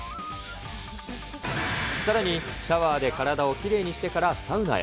さらに、シャワーで体をきれいにしてからサウナへ。